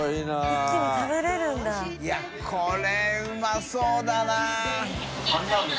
いこれうまそうだな。